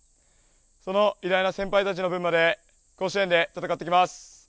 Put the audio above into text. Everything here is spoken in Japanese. その偉大な先輩たちの分まで甲子園で戦ってきます。